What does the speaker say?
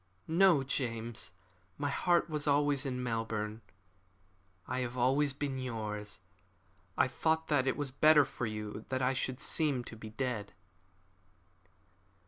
"No, James, my heart was always in Melbourne. I have always been yours. I thought that it was better for you that I should seem to be dead."